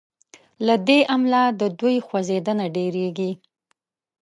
له دې امله د دوی خوځیدنه ډیریږي.